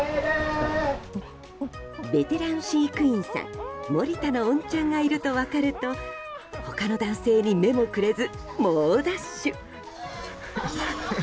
ベテラン飼育員さん盛田のおんちゃんがいると分かると他の男性に目もくれず猛ダッシュ。